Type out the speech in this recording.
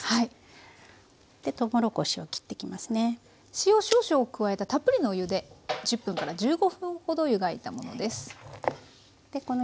塩少々加えたたっぷりのお湯で１０分１５分ほど湯がいたものです。